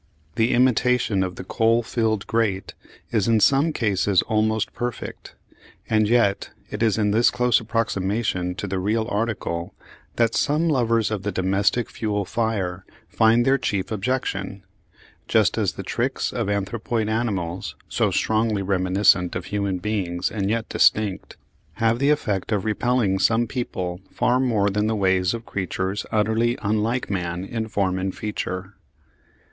The imitation of the coal filled grate is in some cases almost perfect; and yet it is in this close approximation to the real article that some lovers of the domestic fuel fire find their chief objection, just as the tricks of anthropoid animals so strongly reminiscent of human beings and yet distinct have the effect of repelling some people far more than the ways of creatures utterly unlike man in form and feature.